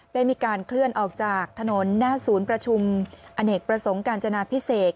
ได้มีการเคลื่อนออกจากถนนหน้าศูนย์ประชุมอเนกประสงค์กาญจนาพิเศษ